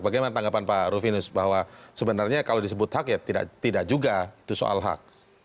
bagaimana tanggapan pak rufinus bahwa sebenarnya kalau disebut hak ya tidak juga itu soal hak